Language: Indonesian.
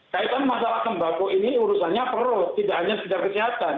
kaitan masalah tembako ini urusannya perut tidak hanya sekedar kesehatan